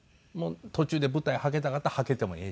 途中で舞台捌けたかったら捌けてもええし。